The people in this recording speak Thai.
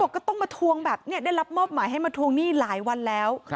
ก็ต้องมาทวงแบบนี้ได้รับมอบหมายให้มาทวงหนี้หลายวันแล้ว